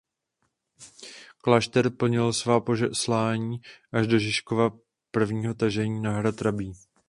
Klášter plnil svá poslání až do Žižkova prvního tažení na hrad Rabí.